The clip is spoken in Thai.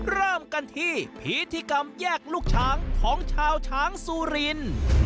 เริ่มกันที่พิธีกรรมแยกลูกช้างของชาวช้างซูริน